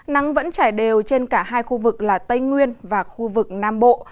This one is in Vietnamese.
nắng vẫn trải đều trên cả hai khu vực là tây nguyên và khu vực nam bộ